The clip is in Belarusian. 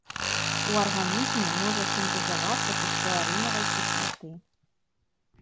У арганізме можа сінтэзавацца са стэарынавай кіслаты.